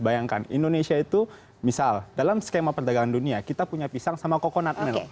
bayangkan indonesia itu misal dalam skema perdagangan dunia kita punya pisang sama coconut mell